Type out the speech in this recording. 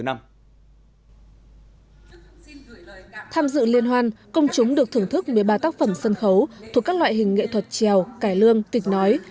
tham dự liên hoan công chúng được thưởng thức một mươi ba tác phẩm sân khấu thuộc các loại hình nghệ thuật trèo cải lương tịch nói